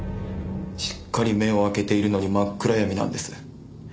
しっかり目を開けているのに真っ暗闇なんです。